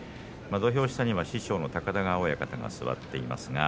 土俵下には師匠の高田川親方が座っています。